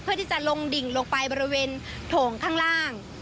เพื่อที่จะลงดิ่งลงไปบริเวณโถงข้างล่าง